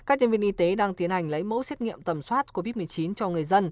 các nhân viên y tế đang tiến hành lấy mẫu xét nghiệm tầm soát covid một mươi chín cho người dân